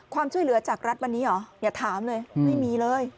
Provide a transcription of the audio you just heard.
ความช่วยเหลือจากรัฐวันนี้เหรออย่าถามเลยไม่มีเลย